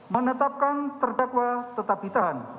menetapkan terdakwa tetap ditahan